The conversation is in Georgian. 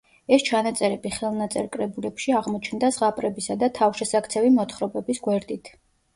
ეს ჩანაწერები ხელნაწერ კრებულებში აღმოჩნდა ზღაპრებისა და თავშესაქცევი მოთხრობების გვერდით.